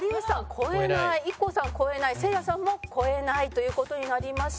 超えないＩＫＫＯさん超えないせいやさんも超えないという事になりました。